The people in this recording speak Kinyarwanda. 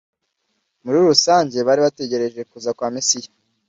muri rusange bari bategereje kuza kwa Mesiya.